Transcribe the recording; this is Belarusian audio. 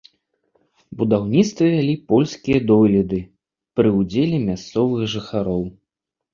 Будаўніцтва вялі польскія дойліды пры ўдзеле мясцовых жыхароў.